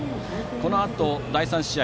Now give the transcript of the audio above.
このあと第３試合